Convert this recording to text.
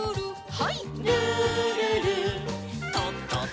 はい。